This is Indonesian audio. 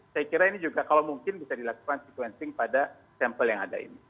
saya kira ini juga kalau mungkin bisa dilakukan sequencing pada sampel yang ada ini